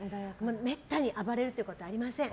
めったに暴れるということはありません。